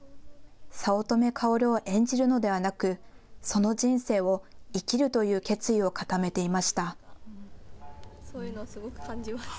早乙女薫を演じるのではなくその人生を生きるという決意を固めていました。